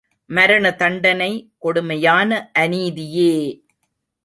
மரணதண்டனை கொடுமையான அநீதியே!